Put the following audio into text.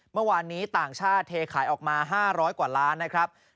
เมื่อวานนี้ต่างชาติเทขายออกมา๕๐๐กว่าล้านนะครับ